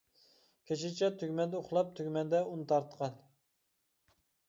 كېچىچە تۈگمەندە ئۇخلاپ، تۈگمەندە ئۇن تارتقان.